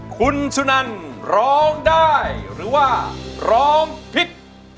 คุณสุนันร้องได้หรือว่าร้องผิด